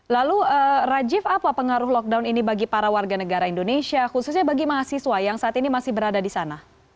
lalu rajif apa pengaruh lockdown ini bagi para warga negara indonesia khususnya bagi mahasiswa yang saat ini masih berada di sana